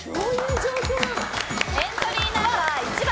エントリーナンバー１番